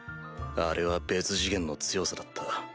あれは別次元の強さだった。